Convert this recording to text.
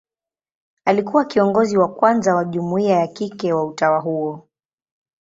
Alikuwa kiongozi wa kwanza wa jumuia ya kike wa utawa huo.